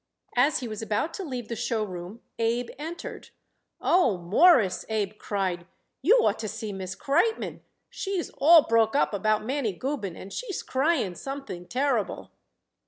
As he was about to leave the show room Abe entered. "Oh, Mawruss," Abe cried, "you ought to see Miss Kreitmann. She's all broke up about Mannie Gubin, and she's crying something terrible."